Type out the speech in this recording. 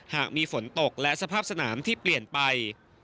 หากมีฝนตกและสภาพสนามที่เปลี่ยนไป